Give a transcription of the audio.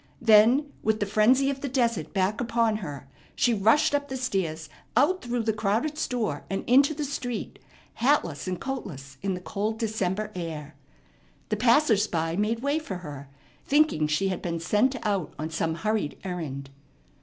Then with the frenzy of the desert back upon her she rushed up the stairs, out through the crowded store, and into the street, hatless and coatless in the cold December air. The passers by made way for her, thinking she had been sent out on some hurried errand.